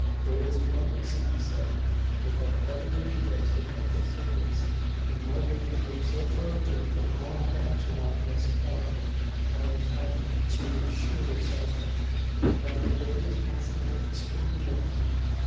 There was abundance to be said, without having recourse to doubtful subjects; and Margaret became so far relieved from all apprehension on this account, by the time the cheese appeared, that she assured herself that the day was passing off extremely well.